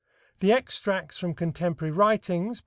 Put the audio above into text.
The extracts from contemporary writings, pp.